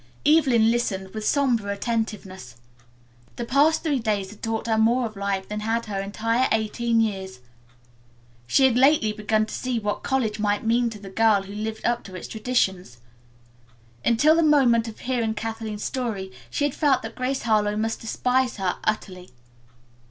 Evelyn listened with somber attentiveness. The past three days had taught her more of life than had her entire eighteen years. She had lately begun to see what college might mean to the girl who lived up to its traditions. Until the moment of hearing Kathleen's story she had felt that Grace Harlowe must despise her utterly.